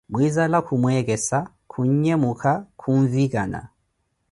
Muinzala khumwekesa, khun'nhemuka khunvikana